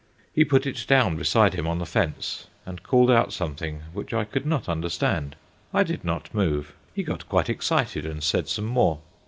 He put it down beside him on the fence, and called out something which I could not understand. I did not move. He got quite excited and said some more.